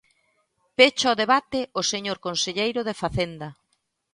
Pecha o debate o señor conselleiro de Facenda.